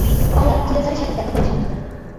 তাই আজ চিদা স্যারের সাথে দেখা করা সম্ভব না।